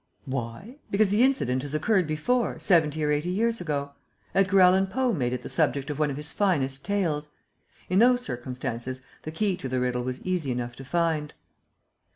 "Why? Because the incident has occurred before, seventy or eighty years ago. Edgar Allan Poe made it the subject of one of his finest tales. In those circumstances, the key to the riddle was easy enough to find."